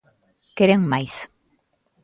Queren máis.